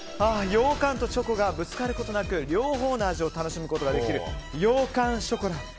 ようかんとチョコがぶつかることなく両方の味を楽しむことができる羊羹ショコラ。